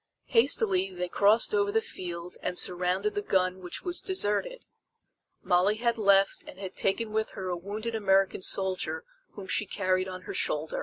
Hastily they crossed over the field and surrounded the gun which was deserted. Molly had left and had taken with her a wounded American soldier whom she carried on her shoulder.